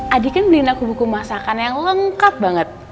adi kan beliin aku buku masakan yang lengkap banget